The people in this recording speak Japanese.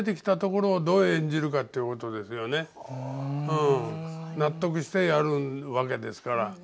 うん。納得してやるわけですから。